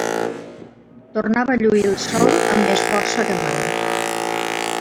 Tornava a lluir el sol amb més força que mai.